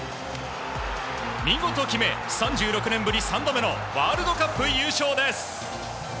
見事決め、３６年ぶり３度目のワールドカップ優勝です。